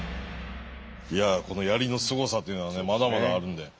いやこの槍のすごさというのはねまだまだあるんで。